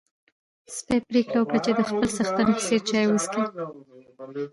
سپی پرېکړه وکړه چې د خپل څښتن په څېر چای وڅښي.